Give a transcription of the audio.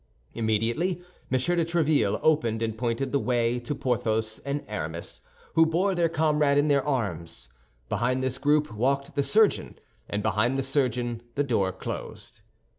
Immediately M. de Tréville opened and pointed the way to Porthos and Aramis, who bore their comrade in their arms. Behind this group walked the surgeon; and behind the surgeon the door closed.